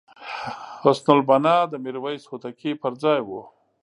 حسن البناء د میرویس هوتکي پرځای وو.